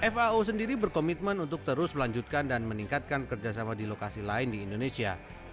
fao sendiri berkomitmen untuk terus melanjutkan dan meningkatkan kerjasama di lokasi lain di indonesia